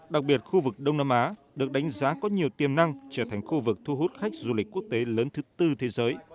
đặc biệt khu vực đông nam á được đánh giá có nhiều tiềm năng trở thành khu vực thu hút khách du lịch quốc tế lớn thứ tư thế giới